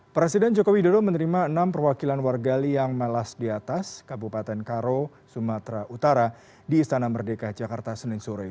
presiden jokowi dodo menerima enam perwakilan warga liang malas di atas kabupaten karo sumatera utara di istana merdeka jakarta senin sore